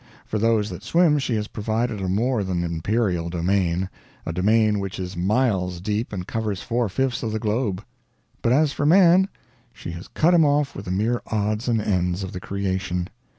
For those that swim she has provided a more than imperial domain a domain which is miles deep and covers four fifths of the globe. But as for man, she has cut him off with the mere odds and ends of the creation.